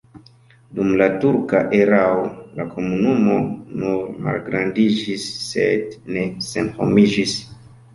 Dum la turka erao la komunumo nur malgrandiĝis, sed ne senhomiĝis.